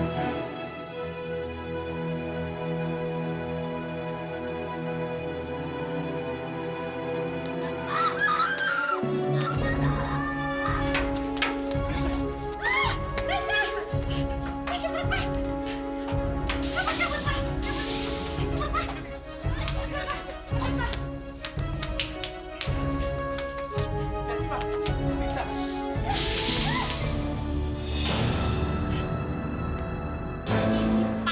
loh itu apa